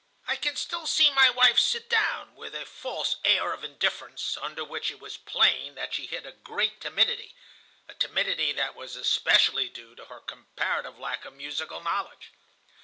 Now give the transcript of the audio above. I can still see my wife sit down, with a false air of indifference, under which it was plain that she hid a great timidity, a timidity that was especially due to her comparative lack of musical knowledge.